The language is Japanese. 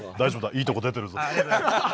いいとこ出てるぞ。